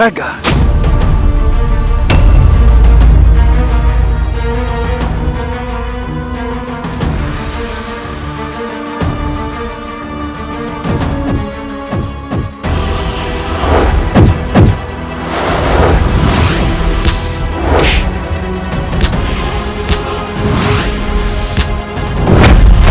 aku akan bisa